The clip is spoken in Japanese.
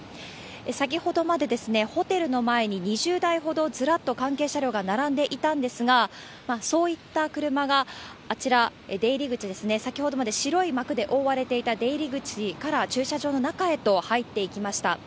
先ほどまでホテルの前に２０台ほど、ずらっと関係車両が並んでいたんですが、そういった車が、あちら、出入り口ですね、先ほどまで白い幕で覆われていた出入り口から駐車場の中へと入っていきました。